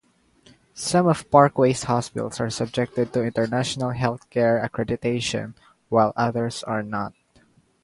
Some of Parkway's hospitals are subjected to international healthcare accreditation, while others are not.